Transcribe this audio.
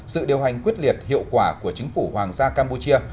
sự điều hành quyết liệt hiệu quả của chính phủ hoàng gia campuchia